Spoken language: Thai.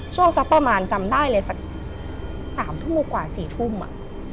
สักประมาณจำได้เลยสัก๓ทุ่มกว่า๔ทุ่ม